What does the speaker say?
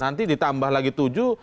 nanti ditambah lagi tujuh